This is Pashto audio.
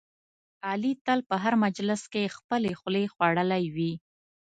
علي تل په هر مجلس کې خپلې خولې خوړلی وي.